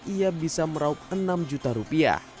ia bisa meraup rp enam